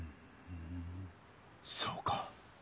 そうか。